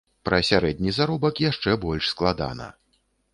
Пра сярэдні заробак яшчэ больш складана.